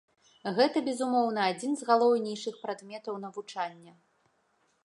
Гэта, безумоўна, адзін з галоўнейшых прадметаў навучання.